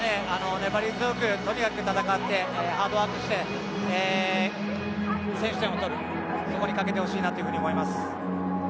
粘り強く、とにかく戦ってハードワークして選手もそこに懸けてほしいなと思います。